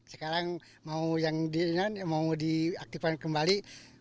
sekarang mau diaktifkan kembali